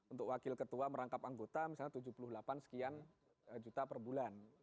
untuk wakil ketua merangkap anggota misalnya tujuh puluh delapan sekian juta per bulan